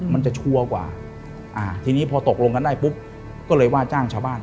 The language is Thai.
มันจะชัวร์กว่าอ่าทีนี้พอตกลงกันได้ปุ๊บก็เลยว่าจ้างชาวบ้าน